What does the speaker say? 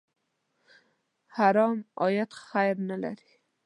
حرام عاید خیر نه لري.